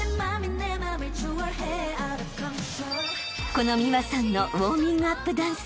［この美和さんのウォーミングアップダンス］